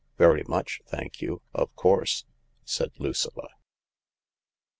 " Very much, thank you, of course," said Lucilla.